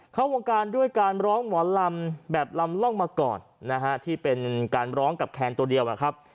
เข้าวงการด้วยการร้องหมอลำแบบลำร่องมาก่อนนะฮะที่เป็นการร้องกับแคนตัวเดียวนะครับ